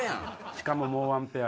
しかももうワンペア。